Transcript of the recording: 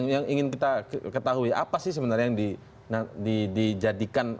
yang ingin kita ketahui apa sih sebenarnya yang dijadikan